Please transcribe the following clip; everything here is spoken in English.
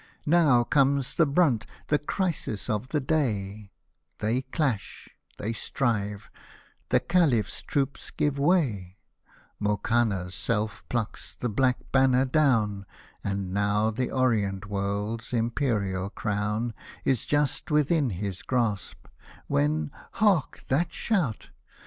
"' Now comes the brunt, the crisis of the day — Hosted by Google 122 LALLA ROOKH They clash — they strive — the Caliph^s troops give way ! Mokanna's self plucks the black Banner down, And now the Orient World's Imperial crown Is just within his grasp — v/hen, hark, that shout